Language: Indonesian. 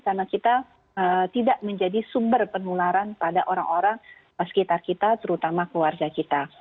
karena kita tidak menjadi sumber penularan pada orang orang sekitar kita terutama keluarga kita